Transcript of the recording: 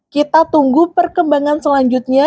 kita tunggu perkembangan selanjutnya